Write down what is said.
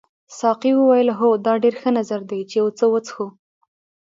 ساقي وویل هو دا ډېر ښه نظر دی چې یو څه وڅښو.